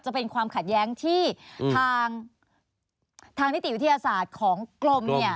จะเป็นความขัดแย้งที่ทางนิติวิทยาศาสตร์ของกรมเนี่ย